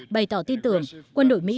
bày tỏ tin tưởng quân đội mỹ